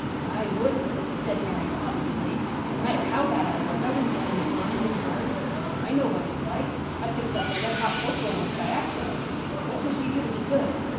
"I wouldn't," said Mary positively. "No matter how bad I was I wouldn't want to be burned and burned. I know what it's like. I picked up a red hot poker once by accident. What must you do to be good?"